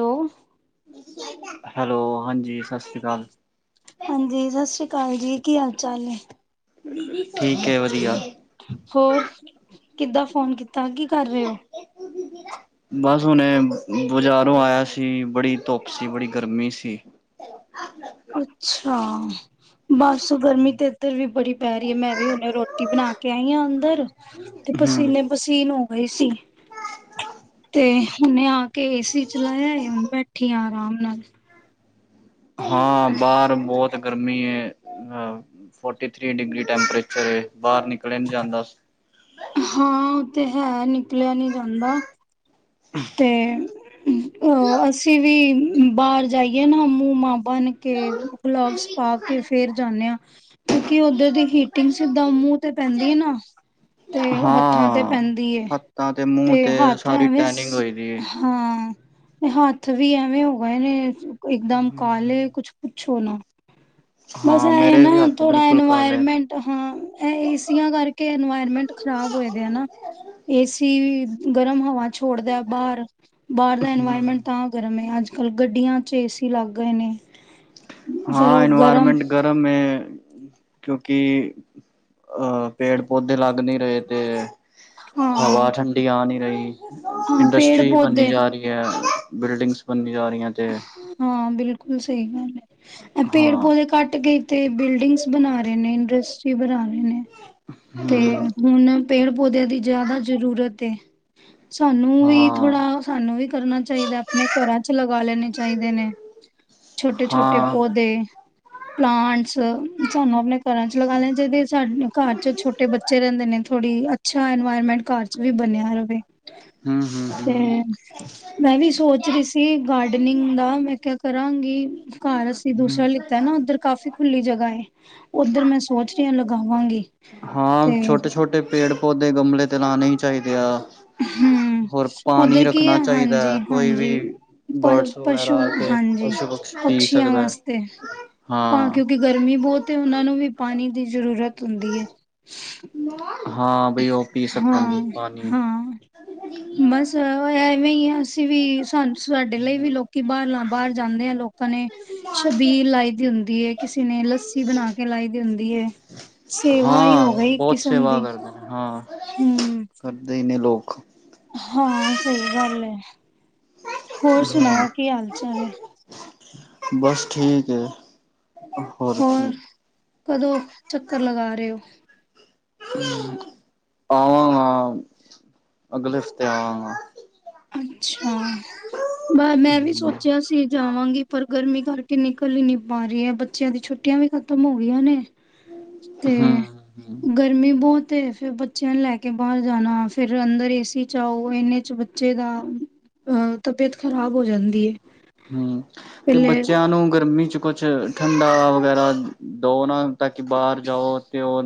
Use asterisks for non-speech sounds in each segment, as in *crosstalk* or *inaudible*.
Hello hello, ਹਾਂਜੀ, ਸਾਸਰੀ ਕਾਲ ਹਾਂਜੀ, ਸਾਸਰੀ ਕਾਲ ਜੀ ਕੀ ਹਾਲ-ਚਾਲ ਨੇ? ਠੀਕ ਏ ਵਧੀਆ ਹੋਰ, ਕਿੱਦਾਂ ਫੋਨ ਕੀਤਾ, ਕੀ ਕਰ ਰੇ ਓ? *inaudible* ਬਸ, ਹੁਣੇ ਬਜ਼ਾਰੋਂ ਆਇਆ ਸੀ, ਬੜੀ ਧੁੱਪ ਸੀ, ਬੜੀ ਗਰਮੀ ਸੀ ਅੱਛਾ। ਬਸ, ਗਰਮੀ ਤੇ ਇੱਧਰ ਵੀ ਬੜੀ ਪੈ ਰੀ ਐ, ਮੈਂ ਵੀ ਹੁਨੇ ਰੋਟੀ ਬਣਾ ਕੇ ਆਈ ਆ ਅੰਦਰ ਤੇ ਹਮ ਪਸੀਨੇ-ਪਸੀਨ ਹੋਗੇ ਸੀ ਤੇ ਹੁਨੇ, ਆ ਕੇ ਏਸੀ ਚਲਾਇਆ ਏ, ਹੁਨ ਬੈਠੀ ਆ ਆਰਾਮ ਨਾਲ ਹਾਂ, ਬਾਰ ਬਹੁਤ ਗਰਮੀ ਏ, ਫੋਟੀ ਥ੍ਰੀ ਡਿਗਰੀ ਟੈਂਪਰੇਚਰ ਏ, ਬਾਹਰ ਨਿਕਇਆ ਨੀ ਜਾਂਦਾ ਸ ਹਾਂ, ਓ ਤੇ ਹੈ, ਨਿਕਲਿਆ ਨੀ ਜਾਂਦਾ ਤੇ ਓ, ਅਸੀਂ ਵੀ ਬਾਹਰ ਜਾਈਏ ਨਾ, ਮੂ-ਮਾ ਬਨ ਕੇ, ਗਲਬਜ਼ ਪਾ ਕੇ ਫੇਰ ਜਾਂਨੇ ਆ ਕਿਉਂਕਿ, ਓਧਰ ਦੀ ਹੀਟਿੰਗ ਸਿੱਧਾਂ ਮੂੰਹ ਤੇ ਪੈਂਦੀ ਨਾ ਤੇ ਹੱਥਾਂ ਤੇ ਹਾਂ ਪੈਂਦੀ ਏ, ਹੱਥਾਂ ਮੂੰਹ ਤੇ ਹੱਥ ਸਾਰੀ ਐਵੇਂ ਸ ਟੈਨਿੰਗ ਹੋਈ ਦੀ ਹੈ ਹਾਂ, ਤੇ ਹੱਥ ਵੀ ਐਵੇਂ ਹੋ ਗਏ ਨੇ ਇਕਦਮ ਕਾਲੇ, ਕੁੱਛ ਪੁੱਛੋ ਨਾ ਬਸ, ਹਾਂ ਐ ਏ ਮੇਰੇ ਨਾ, ਵੀ ਹੱਥ ਥੋੜਾ ਬਿਲਕੁਲ ਕਾਲੇ ਐਂਨਵਾਇਰਮੈਂਟ ਹਾਂ, ਐ ਏਸੀਆਂ ਕਰਕੇ ਐਂਨਵਾਇਰਮੈਂਟ ਖ਼ਰਾਬ ਹੋਏ ਦੇ ਨਾ, ਏਸੀ ਵੀ ਗਰਮ ਹਵਾ ਛੋੜਦਾ ਬਾਹਰ ਬਾਹਰ ਦਾ ਇਨਵਾਇਰਮੈਂਟ ਤਾ ਗਰਮ ਏ, ਅੱਜ-ਕੱਲ ਗੱਡੀਆਂ 'ਚ ਏਸੀ ਲੱਗ ਗਏ ਨੇ ਫੇਰ ਹਾਂ, ਉਹ ਗਰਮ ਇਨਵਾਇਰਮੈਂਟ ਗਰਮ ਏ ਕਿਉਂਕਿ, ਅਹ ਪੇੜ, ਪੌਦੇ ਲੱਗ ਨੀ ਰ‌ਏ ਤੇ ਹਾਂ ਹਵਾ ਠੰਡੀ ਆ ਨੀ ਰਹੀ, ਹਾਂ ਪੇੜ ਇੰਡਸਟਰੀਜ ਬਣਨੀ ਪੌਦੇ ਜਾ ਰਹੀ ਕੇ ਅਹ, ਬਿਲਡਿੰਗਸ ਬਨਦੀ ਜਾ ਰਹੀ ਹਾਂ, ਬਿਲਕੁਲ ਸਹੀ ਗੱਲ ਐ ਪੇੜ, ਹਾਂ ਪੌਦੇ ਕੱਟ ਕੇ ਏਥੇ ਬਿਲਡਿੰਗਸ ਬਨਾ ਰੇ ਨੇ, ਇੰਡਸਟਰੀ ਬਣਾ ਰੇ ਨੇ ਤੇ ਹਮ ਹੁਣ ਪੇੜ, ਪੌਦਿਆਂ ਦੀ ਜ਼ਾਦਾ ਜ਼ਰੂਰਤ ਏ, ਸਾਨੂੰ ਵੀ ਹਾਂ ਥੋੜਾ ਤ੍ਹ‌ਾਨੂੰ ਵੀ ਕਰਨਾ ਚਾਈਦਾ, ਆਪਣੇ ਘਰਾਂ ਚ ਲਗਾ ਲੈਣੇ ਚਾਈਦੇ ਨੇ ਛੋਟੇ-ਛੋਟੇ ਹਾਂ ਪੌਦੇ ਹਮ ਪਲਾਂਟਸ ਸਾਨੂੰ ਆਪਣੇ ਘਰਾਂ 'ਚ ਲਗਾ ਲੈਨੇ ਚਾਈਦੇ ਐ, ਸਾਡੇ ਘਰ 'ਚ ਛੋਟ ਟੇ ਬੱਚੇ ਰੈਂਦੇ ਨੇ, ਥੋੜ੍ਹੀ ਅੱਛਾ ਇਨਵਾਇਰਮੈਂਟ ਘਰ 'ਚ ਵੀ ਬਨਿਆ ਰਵੇ ਹਮ ਤੇ ਹਮ *unintelligible* ਮੈਂ ਵੀ ਸੋਚ ਰੀ ਸੀ, ਗਾਡਨਿੰਗ ਦਾ ਮੈਂ ਕਿਆ ਕਰਾਂਗੀ ਘਰ ਅਸੀਂ ਦੂਸਰਾ ਲਿੱਤਾ ਐ ਨਾ, ਉੱਧਰ ਕਾਫ਼ੀ ਖੁੱਲੀ ਜਗ੍ਹਾ ਏ, ਉੱਧਰ ਮੈਂ ਸੋਚ ਰੀ ਆ ਲਗਾਵਾਂਗੀ ਹਾਂ, ਤੇ ਛੋਟੇ -ਛੋਟੇ, ਪੇੜ-ਪੌਧੇ, ਗਮਲੇ ਤੇ ਲਾਉਣੇ ਹੀ ਚਾਈਦੇ ਆ ਹੂ, ਹੋਰ ਪਾਣੀ ਉਧਰ ਕੀ ਰੱਖਣਾ ਆ, ਚਾਹੀਦਾ ਹਾਂਜੀ, ਹੈ ਕੋਈ ਹਾਂਜੀ ਵੀ ਬਰਡਸ ਪ-ਪਸ਼ੂ, ਵਗੈਰਾ ਆ ਕੇ ਹਾਂਜੀ, ਪਸ਼ੂ ਪਕਸ਼ ਪੀ ਪਕਸ਼ੀਆਂ ਸਕਦਾ ਹੈ। ਵਾਸਤੇ, ਤਾਂ ਹਾਂ ਕਿਉਂਕਿ ਗਰਮੀ ਬਹੁਤ ਐ ਉਨਾਂ ਨੂੰ ਵੀ ਪਾਣੀ ਦੀ ਜ਼ਰੂਰਤ ਹੁੰਦੀ ਹੈ ਹਾਂ, ਬੀ ਓ ਪੀ ਸਕਣਗੇ ਹਾਂ ਪਾਨੀ ਹਾਂ ਬਸ ਓ, ਐਵੇੈਂ ਈ ਐ ਅਸੀਂ ਵੀ ਸਾ, ਸ ਸਾਡੇ ਲਈ ਵੀ ਲੋਕੀ ਬਾਹਰ ਜਾਂਦੇ ਆ ਲੋਕਾ ਨੇ ਛਬੀਲ ਲਾਈ ਦੀ ਹੁੰਦੀ ਏ, ਕਿਸੇ ਨੇ ਲੱਸੀ ਬਣਾ ਕੇ ਲਾਈ ਦੀ ਹੁੰਦੀ ਏ ਸੇਵਾ ਈ ਹਾਂ ਹੋਗੀ, ਇਕ ਬਹੁਤ ਕਿਸਮ ਸੇਵਾ ਦੀ ਕਰਦੇ ਹਾਂ ਹੂ ਕਰਦੇ ਈ ਨੇ ਲੋਕ ਹਾਂ ਸਹੀ ਗੱਲ ਹੈ ਹੋਰ ਹਾਂ ਸੁਣਾਓ ਕੀ ਹਾਲ ਚਾਲ ਹੈ ਬਸ ਠੀਕ ਐ ਹੋਰ ਕਦੋਂ ਚੱਕਰ ਲਗਾ ਰਹੇ ਹੋ ਆਵਾਂਗਾ ਅਗਲੇ ਹਫ਼ਤੇ ਆਵਾਂਗਾ ਅੱਛਾ ਬਸ ਮੈਂ ਵੀ ਹਮ ਸੋਚਿਆ ਸੀ ਜਾਵਾਂਗੀ ਪਰ ਗਰਮੀ ਕਰਕੇ ਨਿਕਲ ਹੀ ਨਹੀਂ ਪਾ ਰਹੀ ਹੈ ਬੱਚਿਆਂ ਦੀ ਛੁੱਟੀਆਂ ਵੀ ਖਤਮ ਹੋ ਗਈਆਂ ਨੇ ਤੇ ਹਮ ਗਰਮੀ ਬਹੁਤ ਫੇਰ ਬੱਚਿਆਂ ਨੂੰ ਲੈ ਕੇ ਬਾਹਰ ਜਾਣਾ ਫੇਰ ਅੰਦਰ ਏ ਸੀ ਚ ਆਓ ਇਨੇ ਚ ਜੇਦਾ ਅਹ ਤਬੀਅਤ ਖ਼ਰਾਬ ਹੋ ਜਾਂਦੀ ਹੈ ਹੂ ਤੇ ਬੱਚਿਆਂ ਨੂੰ ਗਰਮੀ ਚ ਕੁਛ ਠੰਡਾ ਵਗੈਰਾ ਦਓ ਨਾ ਤਾਂ ਕਿ ਬਾਹਰ ਜਾਓ ਤੇ ਉਹ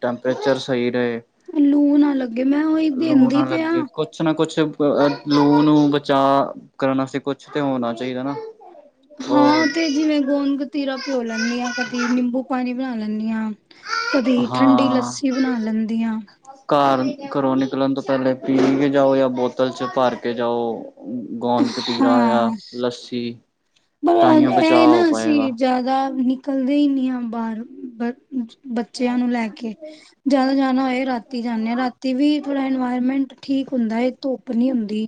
ਟੈੈਂਪਰੇਚਰ ਸਹੀ ਰਹੇ ਲੂ ਨਾ ਲੱਗੇ ਮੈਂ ਉਹੀ ਲੂ ਦੇੰਦੀ ਨਾ ਤੇ ਆ ਲੱਗੇ ਕੁਛ ਨਾ ਕੁਛ ਲੂ ਨੂੰ ਬਚਾਅ ਕਰਨ ਵਾਸਤੇ ਕੁਛ ਤੇ ਹੋਣਾ ਚਾਹੀਦਾ ਨਾ ਉਹ ਹਾਂ ਤੇ ਜਿਵੇਂ ਗੋਣਤੀਰਾ ਪਿਓ ਲੈਂਨੀ ਆਂ ਕਦੀ ਨਿੰਬੂ ਪਾਣੀ ਬਣਾ ਲੈਂਨੀ ਆਂ ਕਦੀ ਠੰਡੀ ਹਾਂ ਲੱਸੀ ਬਣਾ ਲੈਂਦੀ ਆ ਘਰ ਘਰੋਂ ਨਿਕਲਣ ਤੋਂ ਪਹਿਲੇ ਪੀ ਕੇ ਜਾਓ ਜਾਂ ਬੋਤਲ ਚ ਭਰ ਕੇ ਜਾਓ ਗੋਨ ਕਤੀਰਾ ਯਾ ਹਾਂ ਲੱਸੀ ਪਰ ਤਾਈਓ ਇਹ ਬਚਾਅ ਨਾ ਹੋ ਪਾਏਗਾ ਅਸੀਂ ਜ਼ਿਆਦਾ ਨਿਕਲਦੇ ਹੀ ਨਹੀਂ ਹਾਂ ਬਾਹਰ ਬੱਚਿਆਂ ਨੂੰ ਲੈ ਕੇ ਜਾਦੋ ਜਾਣਾ ਹੋਏ ਰਾਤੀ ਜਾਾਨਦੇ ਆ ਰਾਤੀ ਵੀ ਥੋੜ੍ਹਾ ਇਨਵਾਇਰਮੈਂਟ ਠੀਕ ਹੁੰਦਾ ਹੈਏ ਧੁੱਪ ਨੀ ਹੁੰਦੀ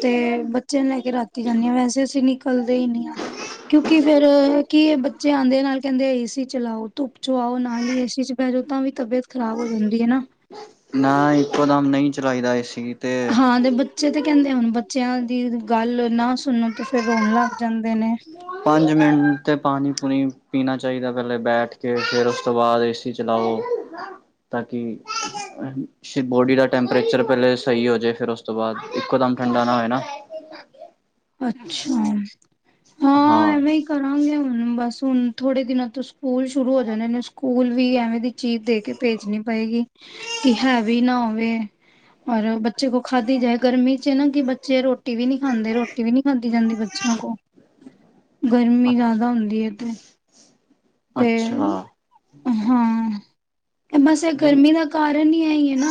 ਤੇ ਬੱਚਿਆਂ ਨੂੰ ਲੈ ਕੇ ਰਾਤੀ ਜਾਂਦੀ ਹਾਂ ਵੈਸੇ ਅਸੀਂ ਨ ਚਲਦੇ ਹੀ ਨੀ ਆ ਕਿਉਂਕਿ ਫੇਰ ਕੀ ਬੱਚੇ ਆਉਂਦੇ ਨਾਲ ਕਹਿੰਦੇ ਏ ਸੀ ਚਲਾਓ ਧੁੱਪ ਚ ਆਓ ਨਾਲ ਹੀ ਏਸੀ ਚ ਬੈ ਜਾਓ ਤਾਂ ਵੀ ਤਬੀਅਤ ਖਰਾਬ ਹੋ ਜਾਂਦੀ ਹੈ ਨਾ ਨਾ ਇੱਕੋ ਦਮ ਨਹੀਂ ਚਲਾਈ ਦਾ ਏਸੀ ਤੇ ਹਾਂ ਦੇ ਬੱਚੇ ਤੇ ਕਹਿੰਦੇ ਹੁਣ ਬੱਚਿਆਂ ਦੀ ਗੱਲ ਨਾ ਸੁਣੋ ਤੇ ਫਿਰ ਰੋਣ ਲੱਗ ਜਾਂਦੇ ਨੇ ਪੰਜ ਮਿੰਟ ਤੇ ਪਾਣੀ ਪੂਣੀ ਪੀਣਾ ਚਾਹੀਦਾ ਪਹਿਲੇ ਬੈਠ ਕੇ ਫੇਰ ਉਸ ਤੋਂ ਬਾਅਦ ਏ ਸੀ ਤੇ ਚਲਾ ਔ ਤਾਂ ਕਿ ਬੋਡੀ ਦਾ ਟੈਂਪਰੇਚਰ ਪਹਿਲੇ ਸਹੀ ਹੋ ਜਾਏ ਫੇਰ ਉਸ ਉਸ ਤੋਂ ਬਾਅਦ ਇੱਕੋ ਦਮ ਠੰਡਾ ਨਾ ਹੋਏ ਨਾ ਅੱਛਾ ਹਾਂ ਐਵੇਂ ਹੀ ਕਰਾਂਗੇ ਹੁਣ ਬਸ ਹੁਣ ਥੋੜ੍ਹੇ ਦਿਨਾਂ ਤੋਂ ਸਕੂਲ ਸ਼ੁਰੂ ਹੋ ਜਾਂਦੇ ਨੇ ਸਕੂਲ ਵੀ ਐਵੇਂ ਦੀ ਚੀਜ਼ ਦੇ ਕੇ ਭੇਜਣੀ ਪਏਗੀ ਕਿ ਹੈ ਵੀ ਨਾ ਹੋਵੇ। ਔਰ ਬੱਚੇ ਕੋ ਖਾਧੀ ਜਾਏ ਗਰਮੀ 'ਚ ਨਾ ਕਿ ਬੱਚੇ ਰੋਟੀ ਵੀ ਨੀ ਖਾਂਦੇ ਰੋਟੀ ਟੀ ਵੀ ਨਹੀ ਖਾਧੀ ਜਾਂਦੀ ਬੱਚਿਆਂ ਕੋ ਗਰਮੀ ਜ਼ਿਆਦਾ ਹੁੰਦੀ ਹੈ ਤੇ ਤੇ ਅੱਛਾ ਹਾਂ ਬਸ ਇਹ ਗਰਮੀ ਦਾ ਕਾਰਨ ਏ ਈਏ ਨਾ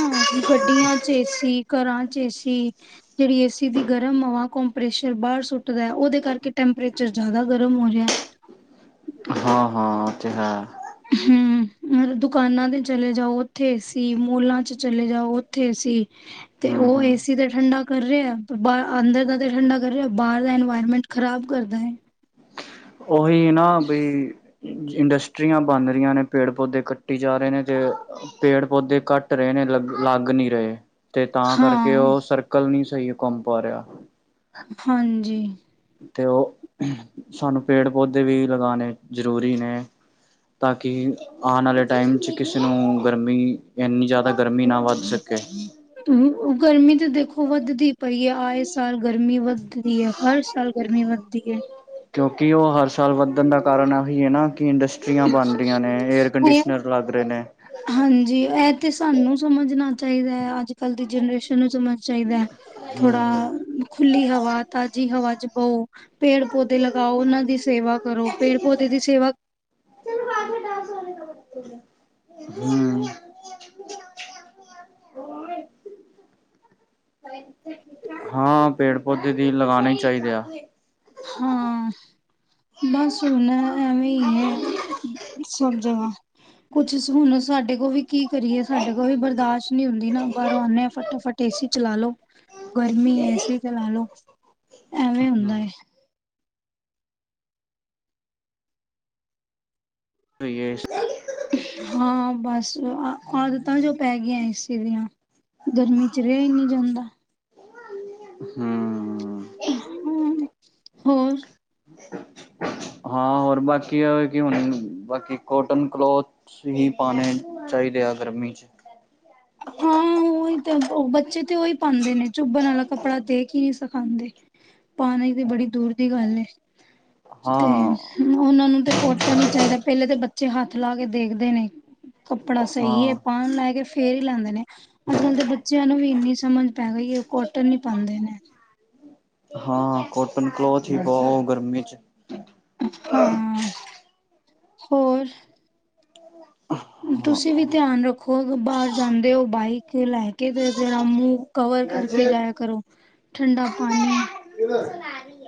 ਗੱਡੀਆਂ 'ਚ ਏਸੀ ਘਰਾਂ 'ਚ ਏਸੀ ਜੇੜੀ ਏਸੀ ਦੀ ਗਰਮ ਹਵਾ ਕਪੈਸ਼ਰ ਬਾਰ ਸੁ ਟਦਾ ਉਹਦੇ ਕਰਕੇ ਟੈਂਪਰੇਚਰ ਜਾਦਾ ਗਰਮ ਹੋ ਰਿਆ। ਹਾਂ-ਹਾਂ ਓ ਤੇ ਹੈ। ਹੂੰ ਦੁਕਾਨਾਂ ਤੇ ਚਲੇ ਜਾਓ ਉੱਥੇ ਏਸੀ ਮੋਲਾਂ 'ਚ ਚਲੇ ਜਾਓ ਉੱਥੇ ਏਸੀ ਤੇ ਓ ਹੂੰ ਏਸ ਹੂੰ ਏਸੀ ਤੇ ਠੰਡਾ ਕਰ ਰਿਆ ਪਰ ਬ ਅੰਦਰ ਦਾ ਤੇ ਠੰਡਾ ਕਰ ਰਿਆ ਬਾਰ ਦਾ ਇਨਵਾਇਰਮੈਂਟ ਖਰਾਬ ਕਰਦਾ ਏ। ਉਹੀ ਨਾ ਬਈ ਇੰਡਸਟਰੀਆਂ ਬਣ ਰਈਆਂ ਨੇ ਪੇੜ ਪੌਦੇ ਕੱਟੀ ਜਾ ਰਹੇ ਨੇ ਤੇ ਪੇੜ ਪੌਦੇ ਕੱਟ ਰਏ ਨੇ ਲ ਲੱਗ ਨਹੀਂ ਰਏ। ਤੇ ਤਾਂ ਕਰਕੇ ਹਾਂ ਉਹ ਸਰਕਲ ਨੀ ਸਈ ਕੰਮ ਪਾ ਰਿਆ ਹਾਂਜੀ ਤੇ ਓ ਸਾਨੂੰ ਪੇੜ ਪੌਦੇ ਵੀ ਲਗਾਉਣੇ ਜ਼ਰੂਰੀ ਨੇ। ਤਾਂਕਿ ਆਣ ਵਾਲੇ ਟਾਈਮ 'ਚ ਕਿਸੇ ਨੂੰ ਗਰਮੀ ਇੰਨੀ ਜਾਦਾ ਗਰਮੀ ਨਾ ਵੱਧ ਸਕੇ। *unintelligible* ਗਰਮੀ ਤੇ ਦੇਖੋ ਵੱਧਦੀ ਪਈ ਹੈ ਆਏ ਸਾਲ ਗਰਮੀ ਵੱਧਦੀ ਹੈ ਹਰ ਸਾਲ ਗਰਮੀ ਵੱਧਦੀ ਹੈ। ਕਿਉਂਕਿ ਓ ਹਰ ਸਾਲ ਵੱਧਣ ਦਾ ਕਾਰਨ ਇਹੀ ਹੈ ਨਾ ਕਿ ਇੰਡਸਟਰੀਆਂ ਬਣਦੀਆਂ ਨੇ ਏਅਰ ਇਹ ਕੰਡੀਸ਼ਨਰ ਲੱਗ ਰਏ ਨੇ। ਹਾਂਜੀ ਇਹ ਤੇ ਸਾਨੂੰ ਸਮਝਣਾ ਚਾਹੀਦਾ ਹੈ ਅੱਜ ਕੱਲ ਦੀ ਜਨਰੇਸ਼ਨ ਨੂੰ ਸਮਝ ਚਾਹੀਦਾ ਹਮ ਥੋੜਾ ਹਮ ਖੁੱਲੀ ਹਵਾ ਤਾਜ਼ੀ ਹਵਾ 'ਚ ਬੋ ਪੇੜ ਪੌਦੇ ਲਗਾਓ ਉਹਨਾਂ ਦੀ ਸੇਵਾ ਕਰੋ ਪੇੜ ਪੌਦੇ ਦੀ ਸੇਵਾ *inaudible* *inaudible* ਹਾਂ ਪੇੜ ਪੌਦੇੇ ਦੀ ਲਗਾਣੇ ਹੀ ਚਾਹੀਦੇ ਆ। ਹਾਂ ਬਸ ਹੁਣ ਐਵੇਂ ਹੀ ਐ। ਸਭ ਜਗ੍ਹਾ ਕੁਛ ਹੁਣ ਸਾਡੇ ਕੋਲ ਵੀ ਕੀ ਕਰੀਏ ਸਾਡੇ ਕੋਲ ਵੀ ਬਰਦਾਸ਼ਤ ਨਈ ਹੁੰਦੀ ਨਾ ਬਾਰੋਂ ਆਂਣੇ ਹਾਂ ਫਟਾਫਟ ਏਸੀ ਚਲਾ ਲੋੋ। ਗਰਮੀ ਏਸੀ ਤੇ ਲਾ ਲੋ ਐਵੇਂ ਹੁੰਦਾ। ਸਈ ਏ। ਹਾਂ ਬਸ ਆਦਤਾਂ ਜੋ ਪੈ ਗਈਆਂ ਏਸੀ ਦੀਆਂ ਗਰਮੀ 'ਚ ਰਿਆ ਹੀ ਨਈ ਜਾਂਦਾ। ਹੂੰ ਹੂੰ ਹੋਰ ਹਾਂ ਹੋਰ ਬਾਕੀ ਆ ਕਿ ਹੁਣ ਬਾਕੀ ਕੋਟਨ ਕਲੋਥ ਹੀ ਪਾਣੇ ਚਾਹੀਦੇ ਆ ਗਰਮੀ 'ਚ ਹਾਂ ਉਹੀ ਓ ਬੱਚੇ ਤੇ ਉਹੀ ਪਾਂਦੇ ਨੇ ਚੁੱਬਣ ਵਾਲਾ ਕੱਪੜਾ ਦੇ ਕੇ ਹੀ ਨਈ ਸਿਖਾਉਂਦੇ ਪਾਣੀ ਤੇ ਬੜੀ ਦੂਰ ਦੀ ਗੱਲ ਏ, ਹਾਂ ਤੇ ਓਨਾਂ ਨੂੰ ਤੇ ਕੋਟਨ ਈ ਚਾਈਦਾ, ਪਹਿਲੇ ਤੇ ਬੱਚੇ ਹੱਥ ਲਾ ਕੇ ਦੇਖਦੇ ਨੇ। ਕੱਪੜਾ ਸਹੀ ਐ, ਹਾਂ ਪਾਨ ਲੈ ਕੇ ਫੇਰ ਹੀ ਲੈਂਦੇ ਨੇ, ਅੱਜ ਕੱਲ ਦੇ ਬੱਚਿਆਂ ਨੂੰ ਵੀ ਇੰਨੀ ਸਮਝ ਪੈ ਗਈ ਐ ਓ ਕੋਟਨ ਈ ਪਾਂਦੇ ਨੇ। ਹਾਂ, ਕੋਟਨ ਕਲੋਥ ਹੀ ਪਾਓ ਗਰਮੀ ਚ ਹਾਂ, ਹੋਰ ਹਾਂ ਤੁਸੀਂ ਵੀ ਧਿਆਨ ਰੱਖੋ, ਬਾਰ ਜਾਂਦੇ ਓ, ਬਾਈਕ ਲੈ ਕੇ ਤੇ ਜੇੜਾ ਮੂੰਹ ਕਵਰ ਕਰਕੇ ਜਾਇਆ ਕਰੋ, ਠੰਡਾ ਪਾਨੀ *unintelligible*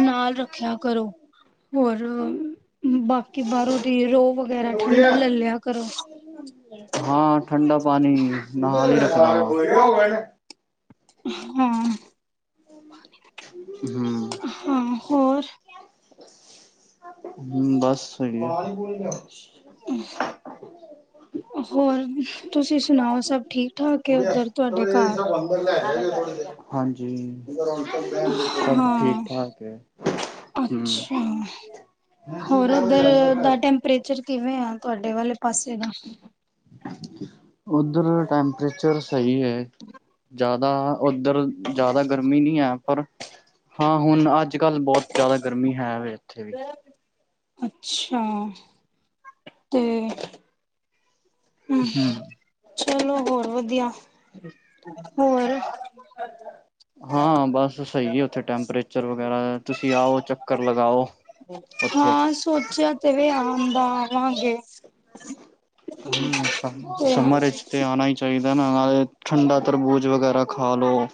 ਨਾਲ, ਰੱਖੇਆ ਕਰੋ। ਹੋਰ, ਬਾਕੀ ਬਾਰੋਂ ਦੀ ਰੋਹ, ਵਗੈਰਾ ਠੰਡਾ ਲੈ ਲਿਆ ਕਰੋ। ਹਾਂ, ਠੰਡਾ ਪਾਨੀ ਨਾਲ ਈ ਰੱਖਦਾ ਹਾਂ *unintelligible* ਹਾਂ, ਹੋਰ ਹਮ, ਬਸ ਸਈ *unintelligible* ਹੋਰ ਤੁਸੀਂ ਸੁਣਾਓ, ਸਬ ਠੀਕ- ਠਾਕ ਏ ਉੱਧਰ ਤੁਆਡੇ ਘਰ? ਹਾਂਜੀ। ਸਭ ਠੀਕ ਹਾਂ, ਠਾਕ ਹੈ ਹਮ ਅੱਛਾ। ਹੋਰ, ਉੱਧਰ ਦਾ ਟੈਂਪਰੇਚਰ ਕਿਵੇਂ ਆ, ਤੁਆਡੇ ਵਾਲੇ ਪਾਸੇ ਦਾ? ਉੱਧਰ ਟੈਂਪਰੇਚਰ ਸੀ ਐ, ਜਾਦਾ ਉੱਧਰ ਜਾਦਾ ਗਰਮੀ ਨੀ ਐ। ਪਰ ਹਾਂ, ਹੁਣ ਅੱਜ- ਕੱਲ੍ਹ ਬੋਤ ਜਾਦਾ ਗਰਮੀ ਹੈ ਵੇ, ਏਥੇ। ਅੱਛਾ, ਤੇ ਹਮ, ਚਲੋ ਹੋਰ ਵਦੀਆ। ਹੋਰ? ਹਾਂ, ਬਸ ਸਈ ਐ ਉੱਥੇ ਟੈਂਪਰੇਚਰ ਵਗੈਰਾ, ਤੁਸੀਂ ਆਓ ਚੱਕਰ ਲਗਾਓ। ਉੱਥੇ ਹਾਂ, ਸੋਚੇਆ ਤੇ ਵੇ ਆਣ ਦਾ, ਆਵਾਂਗੇ। ਹਮ, ਸਮ, ਤੇ ਸਮਰ ਚ। ਤੇ ਆਣਾ ਹੀ ਚਾਹੀਦਾ ਨਾ, ਨਾਲੇ ਠੰਡਾ ਤਰਬੂਜ਼ ਵਗੈਰਾ ਖਾ ਲਓ।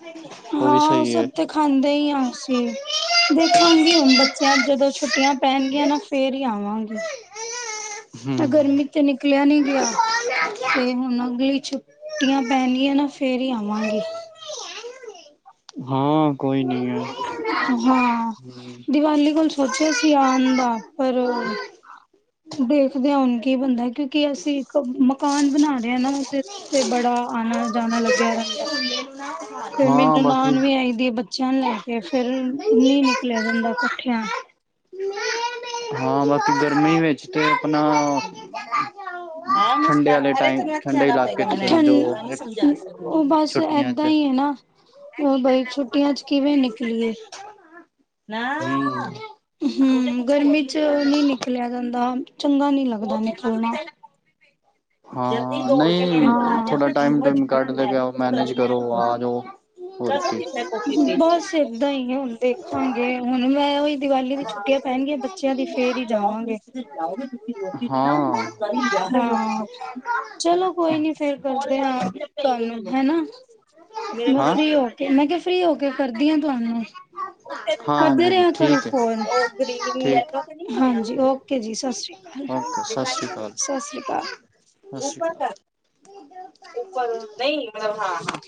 ਹਾਂ, ਓ ਸਬ ਤੇ ਖਾਂਦੇ ਈ ਹਾਂ ਅਸੀਂ। ਦੇਖਾਂਗੀ ਹੁਨ ਬੱਚੇਆਂ ਨੂੰ ਜਦੋਂ ਛੁੱਟੀਆਂ ਪੈਣਗੀਆਂ ਨਾ, ਫੇਰ ਹੀ ਆਵਾਂਗੀ। *unintelligible* ਅ ਹੂੰ ਗਰਮੀ 'ਚ ਨਿਕਲੇਆ ਨੀ ਗੇਆ। ਤੇ, ਹੁਣ ਅਗਲੀ ਛੁੱਟੀਆਂ ਪੈਣੀਆਂ ਨਾ ਫੇਰ ਈ ਆਵਾਂਗੀ। ਹਾਂ, ਕੋਈ ਨੀ। ਹੈ। ਹਾਂ, ਦੀਵਾਲੀ ਕੋਲ ਸੋਚੇਆ ਸੀ ਆਣ ਦਾ, ਪਰ ਦੇਖਦੇ ਆਂ ਹੁਣ ਕੀ ਬਨਦਾ। ਕਿਉਂਕਿ ਅਸ ਅਸੀਂ, ਇੱਕ ਮਕਾਨ ਬਨਾ ਰਏ ਆ ਨਾ, ਉਦੇ ਤੇ ਬੜਾ ਆਣਾ ਜਾਣਾ ਲੱਗੇਆ ਰੈੰਦਾ। *unintelligible* ਫੇਰ ਮੇਰੀ ਹਾਂ ਬਾਕੀ ਨਨਾਨ ਵੀ ਆਈ ਦੀ ਬੱਚੇਆਂ ਨੂੰ ਲੈ ਕੇ, ਫੇਰ ਨੀ ਨਿਕਲੇਆ ਜਾਂਦਾ ਇਕੱਠੇਆਂ। ਹਾਂ, ਬਸ ਗਰਮੀ ਵਿੱਚ ਚ ਤੇ ਅਪਨਾ ਹਾਂ ਠੰਡੇ ਮੁਸਕਾਨ ਆਲੇ ਅਰੇ ਟਾਈਮ, ਤੈਨੂੰ ਇੱਥੇ ਠੰਡੇ ਆਣਾ ਇਲਾਕੇ ਚ ਚਲੇ ਜਾਓ, ਠੰ ਉਹ ਛੁੱਟੀਆਂ ਚ। *inaudible* ਹੋਰ, ਬਈ ਛੁੱਟੀਆਂ ਚ ਕਿਵੇਂ ਨਿਕਲੀਏ? ਹੂੰ ਹੂ, ਗਰਮੀ ਚ' ਨਹੀਂ ਨਿਕਲਿਆ ਜਾਂਦਾ। ਚੰਗਾ ਨੀ ਲੱਗਦਾ ਨਿਕਲਣਾ। *inaudible* ਜਲਦੀ ਹਾਂ। ਦੌੜ ਕੇ ਮੇਰੇ ਨਹੀਂ, ਕੋਲ ਆ ਜਾ ਥੋੜਾ ਟਾਈਮ- ਫਟਾਫਟ ਟੂਮ ਫੋਨ ਕੱਢ ਲ ਲੈ ਕੇ ਗਿਆ ਕੁਛ ਮੈਨੇਜ ਕਰੀ ਨਾ ਕਰੋ, ਆ ਜਾਓ। ਹੋਰ ਕੀ ਬਸ ਇਏਦਾਂ ਹੀ ਆ ਹੁਣ ਦੇਖਾਂਗੇ। ਹੁਣ ਮੈਂ ਉਹੀ ਦੀਵਾਲੀ ਦੀ ਛੁੱਟੀਆਂ ਪੈਣਗੇ ਬੱਚਿਆਂ ਦੀ ਫੇਰ ਹੀ ਜਾਓਗੇ। ਹੂ। ਹਾਂ। ਚਲੋ ਕੋਈ ਨੀ ਫੇਰ ਕਰਦੇ ਹਾਂ ਤੈਨੂੰ ਹੈਨਾ। ਹਾਂ। ਫਰੀ ਹੋ ਮੈਂ ਕਿਹਾ ਫਰੀ ਹੋ ਕੇ ਕਰਦੀ ਹਾਂ ਤੁਹਾਨੂੰ। ਕਰਦੇ ਹਾਂਜੀ-ਹਾਂਜੀ ਰਿਹਾ ਕਰੋ ਠੀਕ ਹੈ ਫੋਨ। ਠੀਕ। ਹਾਂਜੀ। ਠੀਕ ਓਕੇ ਜੀ ਸਤਿ ਸ਼੍ਰੀਾਲ। ਓਕੇ ਸਤਿ ਸ਼੍ਰੀ ਅਕਾਲ। ਸਤਿ ਸ਼੍ਰੀ ਅਕਾਲ। ਸਤਿ ਸ਼੍ਰੀ ਉਪਰ ਅਕਾਲ। ਤੱਕ, ਉੱਪਰ ਨਹੀਂ, ਮਤਲਬ ਹਾਂ-ਹਾਂ।